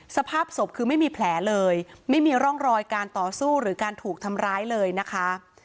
สภาพศพคือไม่มีแผลเลยไม่มีร่องรอยการต่อสู้หรือการถูกทำร้ายเลยนะคะ